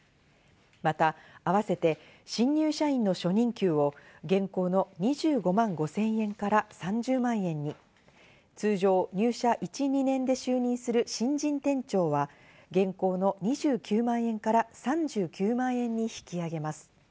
また併せて新入社員の初任給を現行の２５万５０００円から３０万円に、通常入社１２年で就任する新人店長は現行の２９万円から３９万円に引き上げます。